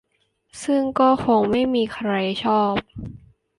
ซึ่งก็คงไม่มีใครชอบ